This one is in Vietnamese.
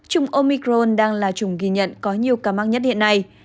trung omicron đang là chủng ghi nhận có nhiều ca mắc nhất hiện nay